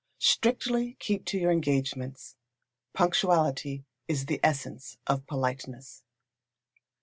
Strictly keep to your engagements. Punctuality is the essence of politeness.